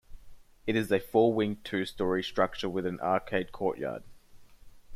It is a four-winged two-story structure with an arcade courtyard.